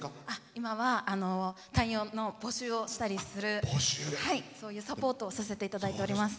今は、隊員の募集をしたりするそういうサポートをさせていただいております。